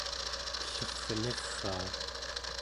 pellerniraa